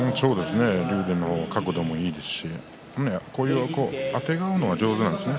竜電の方が角度もいいですしあてがうのが上手なんですよね